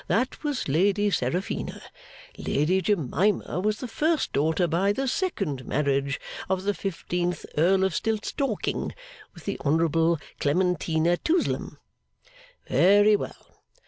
That was Lady Seraphina Lady Jemima was the first daughter by the second marriage of the fifteenth Earl of Stiltstalking with the Honourable Clementina Toozellem. Very well.